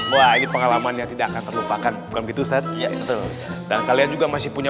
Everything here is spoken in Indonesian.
wah ini pengalamannya tidak akan terlupakan bukan begitu setan dan kalian juga masih punya